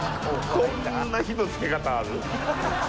こんな火のつけ方ある？